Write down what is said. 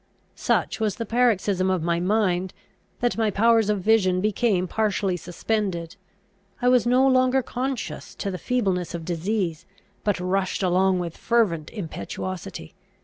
Such was the paroxysm of my mind that my powers of vision became partially suspended. I was no longer conscious to the feebleness of disease, but rushed along with fervent impetuosity.